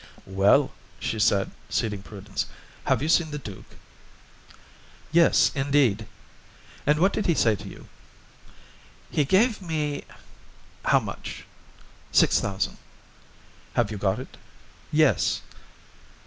"Well," she said, seeing Prudence, "have you seen the duke?" "Yes, indeed." "And what did he say to you?" "He gave me—" "How much?" "Six thousand." "Have you got it?" "Yes.